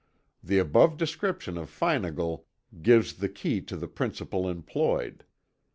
The above description of Feinagle gives the key to the principle employed.